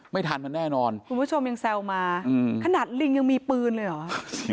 ไม่ทันมันแน่นอนคุณผู้ชมยังแซวมาขนาดลิงยังมีปืนเลยเหรอ